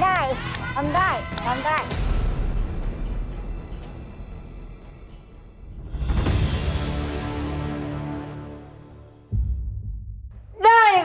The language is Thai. ได้ครับ